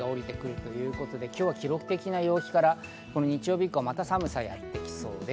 ということで、今日は記録的な陽気から日曜日以降また寒さがやってきそうです。